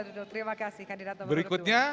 terima kasih kandidat nomor berikutnya